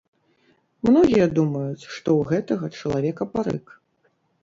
Многія думаюць, што ў гэтага чалавека парык.